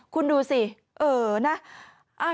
คุณดูสิเออนะ